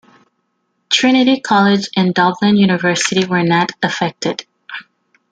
Trinity College and Dublin University were not affected.